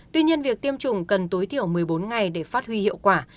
tuy nhiên việc tiêm chủng cần tối thiểu một mươi bốn ngày để phát huy hiệu quả